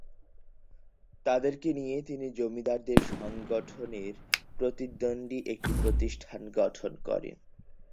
তাদেরকে নিয়ে তিনি জমিদারদের সংগঠনের প্রতিদ্বন্দ্বী একটি প্রতিষ্ঠান গঠন করেন।